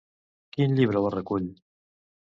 Quin llibre la recull?